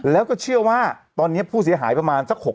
แล้วก็เชื่อว่าตอนนี้ผู้เสียหายประมาณสัก